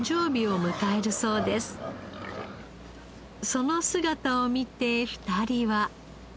その姿を見て２人は。